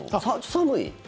寒い？